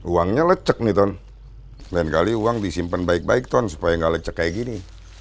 uangnya lecek nih ton lain kali uang disimpan baik baik ton supaya nggak lecek kayak gini